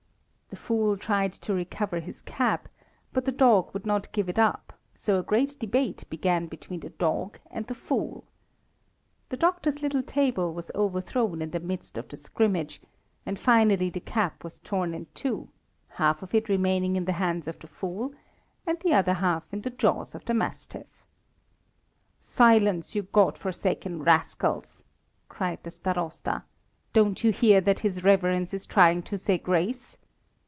The fool tried to recover his cap, but the dog would not give it up, so a great debate began between the dog and the fool. The doctor's little table was overthrown in the midst of the scrimmage, and finally the cap was torn in two, half of it remaining in the hands of the fool, and the other half in the jaws of the mastiff. "Silence, you God forsaken rascals!" cried the Starosta; "don't you hear that his reverence is trying to say grace?"